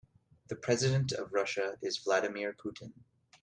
The president of Russia is Vladimir Putin.